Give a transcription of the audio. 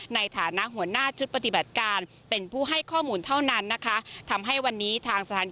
ในฐานะหัวหน้าชุดปฏิบัติการเป็นผู้ให้ข้อมูลเท่านั้น